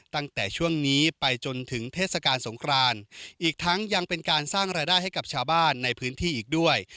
ตั้งแต่ช่วงนี้ไปจนถึงเทศกาลสงครานอีกทั้งยังเป็นการสร้างรายได้ให้กับชาวบ้านในพื้นที่อีกด้วย